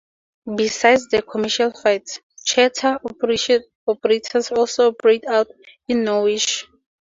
Besides the commercial flights, charter operators also operate out of Norwich.